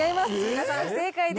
皆さん不正解です。